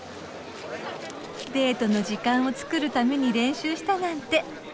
デートの時間を作るために練習したなんて。